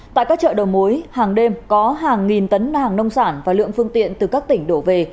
tại các chợ đầu mối hàng đêm có hàng nghìn tấn hàng nông sản và lượng phương tiện từ các tỉnh đổ về